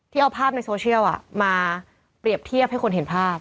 เอาภาพในโซเชียลมาเปรียบเทียบให้คนเห็นภาพ